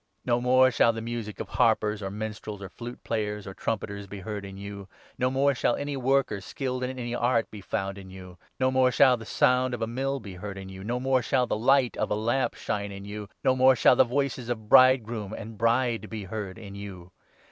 No 22 more shall the music of harpers, or minstrels, or fluteplayers, or trumpeters be heard in you ; no more shall any worker, skilled in any art, be found in you ; no more shall the sound of a mill be heard in you ; no more shall the light of a lamp shine in 23 you ; no more shall the voices of bridegroom and bride be heard in you.